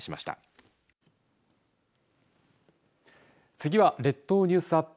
次は列島ニュースアップ